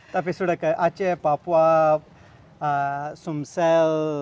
tapi sudah ke aceh papua sumsel